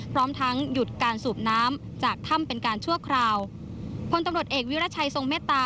พร้อมทั้งหยุดการสูบน้ำจากถ้ำเป็นการชั่วคราวพลตำรวจเอกวิรัชัยทรงเมตตา